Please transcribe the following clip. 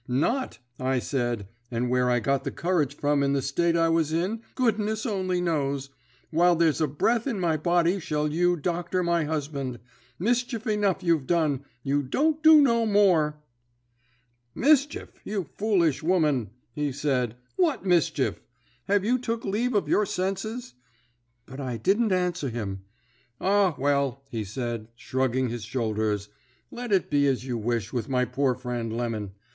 "'Not,' I said, and where I got the courage from in the state I was in, goodness only knows, 'while there's breath in my body shall you doctor my husband. Mischief enough you've done; you don't do no more.' "'Mischief, you foolish woman!' he said. 'What mischief? Have you took leave of your senses?' But I didn't answer him. 'Ah, well,' he said, shrugging his shoulders, 'let it be as you wish with my poor friend Lemon.